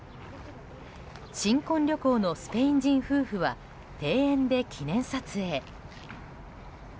新婚旅行のスペイン人夫婦は庭園で記念撮影。